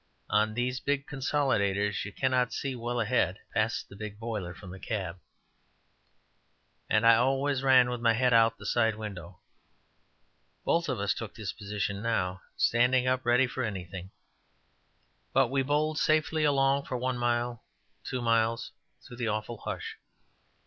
On these big consolidators you cannot see well ahead, past the big boiler, from the cab, and I always ran with my head out of the side window. Both of us took this position now, standing up ready for anything; but we bowled safely along for one mile two miles, through the awful hush.